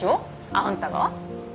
あんたが？